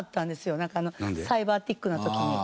なんかサイバーティックな時。